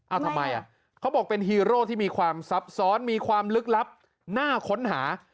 เอาทำไมเขาบอกเป็นฮีโร่ที่มีความซับซ้อนมีความลึกลับน่าค้นหา